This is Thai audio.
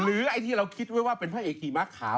หรือไอที่เราคิดไว้ว่าเป็นพ่อเอกหื้มะขา